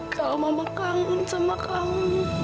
kalau mama kangen sama kamu